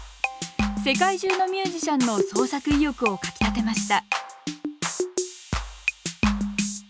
世界中のミュージシャンの創作意欲をかきたてました